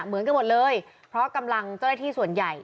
เหมือนกันหมดเลยเพราะกำลังเจ้าหน้าที่ส่วนใหญ่